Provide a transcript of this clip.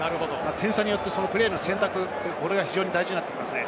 点差によってプレーの選択が非常に大事になってきますね。